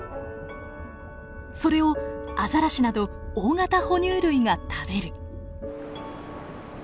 それをアザラシなど大型哺乳類が食べる。